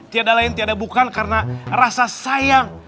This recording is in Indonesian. tiada lain tiada bukan karena rasa sayang dan rasa cinta yang begitu besar